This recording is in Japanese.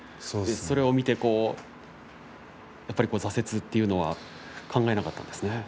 それを見て挫折というのは考えなかったですか。